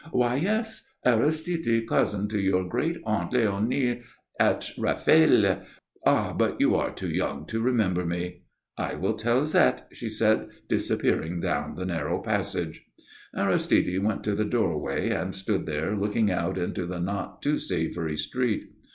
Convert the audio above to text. "Why, yes. Aristide, cousin to your good Aunt Léonie at Raphèle. Ah but you are too young to remember me." "I will tell Zette," she said, disappearing down the narrow passage. Aristide went to the doorway, and stood there looking out into the not too savoury street.